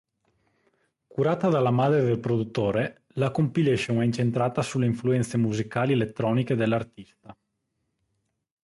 Curata dalla madre del produttore, la compilation è incentrata sulle influenze musicali elettroniche dell'artista.